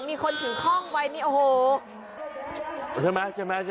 เดี๋ยวนี้ฉันอยากไปด้วย